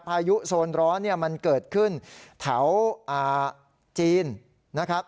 พายุโซนร้อนเนี่ยมันเกิดขึ้นแถวจีนนะครับ